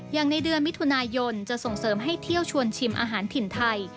อย่างในเดือนมิถุนายนจะส่งเสริมให้เที่ยวชวนชิมอาหารถิ่นไทย